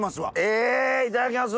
えいただきます。